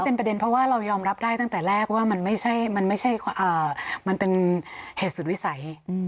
เพราะว่าเรายอมรับได้ตั้งแต่แรกว่ามันเป็นเหตุสุดวิสัย